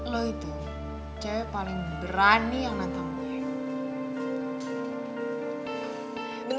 lo itu saya paling berani yang nantang gue